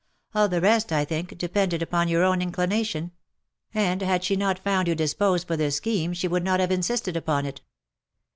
All the rest, I think, depended upon your own inclination — and had she OF MICHAEL ARMSTRONG. 383 not found you disposed for this scheme, she would not have insisted upon it."